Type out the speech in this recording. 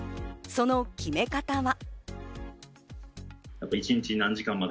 その決め方は。